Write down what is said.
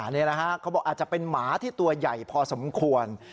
นี่แหละฮะเขาบอกอาจจะเป็นหมาที่ตัวใหญ่พอสมควร